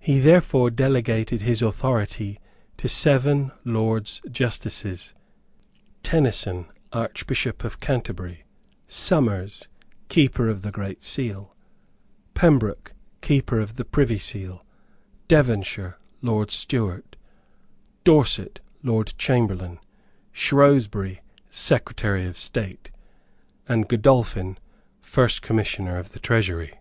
He therefore delegated his authority to seven Lords Justices, Tenison, Archbishop of Canterbury, Somers, Keeper of the Great Seal, Pembroke, Keeper of the Privy Seal, Devonshire, Lord Steward, Dorset, Lord Chamberlain, Shrewsbury, Secretary of State, and Godolphin, First Commissioner of the Treasury.